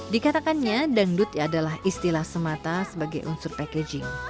dikatakannya dangdut adalah istilah semata sebagai unsur packaging